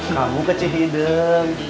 kamu kecil hidung